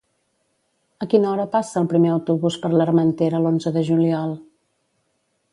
A quina hora passa el primer autobús per l'Armentera l'onze de juliol?